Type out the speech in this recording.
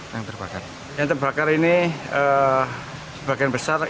yang terbakar ini sebagian besar ilalang